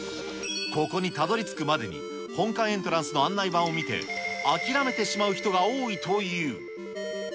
ここにたどりつくまでに、本館エントランスの案内板を見て、諦めてしまう人が多いという。